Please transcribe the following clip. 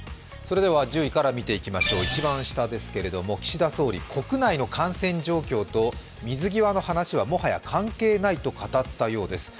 では１０位から見ていきましょう、一番下、岸田総理国内の感染状況と水際の話はもはや関係ないと語ったそうです。